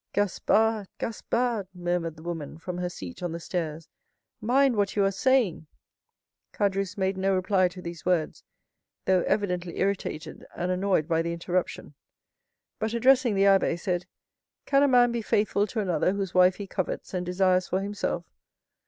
"Gaspard, Gaspard!" murmured the woman, from her seat on the stairs, "mind what you are saying!" Caderousse made no reply to these words, though evidently irritated and annoyed by the interruption, but, addressing the abbé, said, "Can a man be faithful to another whose wife he covets and desires for himself?